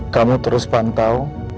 kamu terus pantau